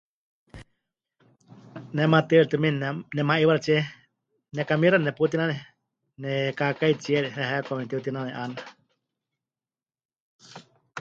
Ne maatɨari tumiini nem... nema'iiwaxɨtsie nekamixa neputínanai, nekaakái tsiere heheekwame netiutínanai 'aana.